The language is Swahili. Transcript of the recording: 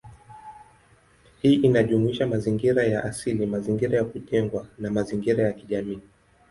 Hii inajumuisha mazingira ya asili, mazingira ya kujengwa, na mazingira ya kijamii.